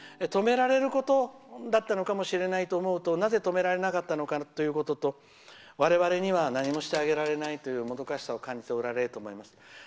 止められることだったのかもしれないと思うとなぜ止められなかったのかということと我々には何もしてあげられないというもどかしさを感じておられると思います。